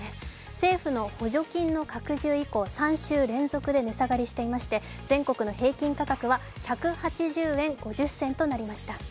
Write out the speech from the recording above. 政府の補助金の拡充以降、３週連続で値下がりしていまして全国の平均価格は１８０円５０銭となりました。